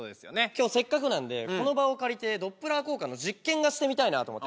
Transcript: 今日せっかくなんでこの場を借りてドップラー効果の実験がしてみたいなと思ってね